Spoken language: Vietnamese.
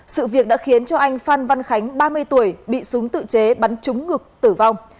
sự việc đã khiến cho anh phan văn khánh ba mươi tuổi bị súng tự chế bắn trúng ngực tử vong